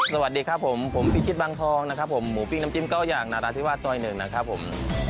สวัสดีครับผมผมพิชิตบางทองนะครับผมหมูปิ้งน้ำจิ้มเก้าอย่างนาราธิวาสซอย๑นะครับผม